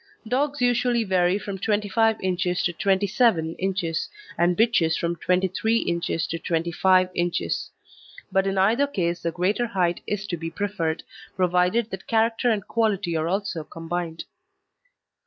Dogs usually vary from 25 inches to 27 inches and bitches from 23 inches to 25 inches; but in either case the greater height is to be preferred, provided that character and quality are also combined.